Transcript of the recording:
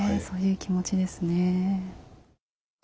そういう気持ちですね。